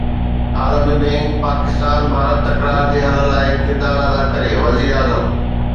عالمي بئنڪ پاڪستان-ڀارت تڪرار جي حل لاءِ ڪردار ادا ڪري: وزيراعظم